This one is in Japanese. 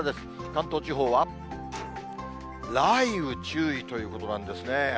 関東地方は雷雨注意ということなんですね。